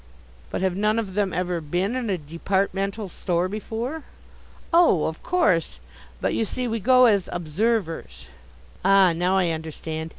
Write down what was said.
"But have none of them ever been in a departmental store before?" "Oh, of course, but, you see, we go as Observers." "Ah, now, I understand.